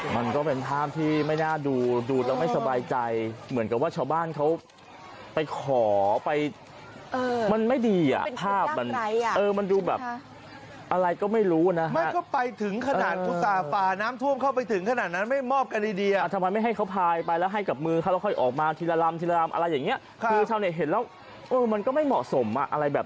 มันก็เป็นภาพที่ไม่น่าดูดูแล้วไม่สบายใจเหมือนกับว่าชาวบ้านเขาไปขอไปมันไม่ดีอ่ะภาพมันดูแบบอะไรก็ไม่รู้นะมันก็ไปถึงขนาดอุตส่าห์ฝ่าน้ำท่วมเข้าไปถึงขนาดนั้นไม่มอบกันดีดีอ่ะทำไมไม่ให้เขาพายไปแล้วให้กับมือเขาแล้วค่อยออกมาทีละลำทีละลำอะไรอย่างเงี้ยคือชาวเน็ตเห็นแล้วเออมันก็ไม่เหมาะสมอ่ะอะไรแบบ